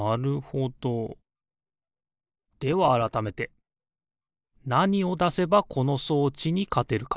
ではあらためてなにをだせばこの装置にかてるか？